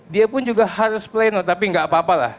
dia pun juga harus pleno tapi nggak apa apa lah